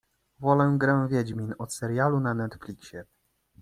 Wolę grę Wiedźmin od serialu na Netflixie.